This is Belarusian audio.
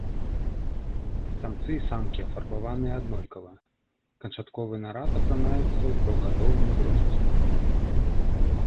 Самцы і самкі афарбаваныя аднолькава, канчатковы нарад апранаецца ў трохгадовым узросце.